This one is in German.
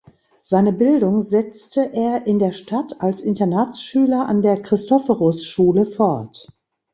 Seine Bildung setzte er in der Stadt als Internatsschüler an der Christophorusschule fort.